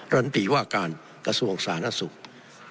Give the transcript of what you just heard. รันติว่าการกระทรวงศาลนักศึกษ์